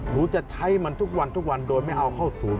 หรือจะใช้มันทุกวันโดยไม่เอาเข้าศูนย์